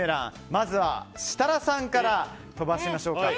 まずは設楽さんから飛ばしてみましょうか。